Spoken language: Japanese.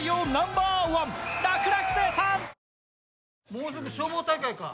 もうすぐ消防大会か。